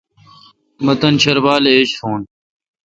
مہ تان شربال ایج تھون۔